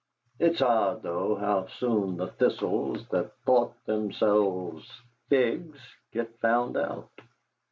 It's odd, though, how soon the thistles that thought themselves figs get found out.